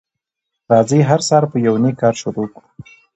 راځی هر سهار په یو نیک کار شروع کړو